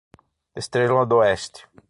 Estrela d'Oeste